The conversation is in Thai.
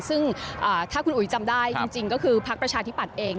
ซึ่งถ้าคุณอุ๋ยจำได้จริงก็คือพักประชาธิปัตย์เอง